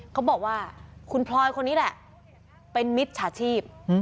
เขาบอกว่าคุณพลอยคนนี้แหละเป็นมิจฉาชีพ